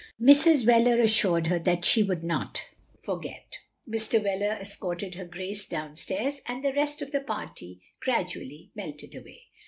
" Mrs. Wheler asstu ed her that she would not for get, Mr. Wheler escorted her Grace down stairs^ and the rest of the party gradually melted away.